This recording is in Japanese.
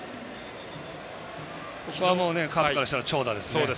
ここはもうカープからしたら長打ですね。